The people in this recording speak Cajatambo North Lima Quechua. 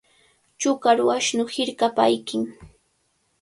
Chukaru ashnu hirkapa ayqin.